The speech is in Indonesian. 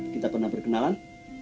kita pernah berkenalan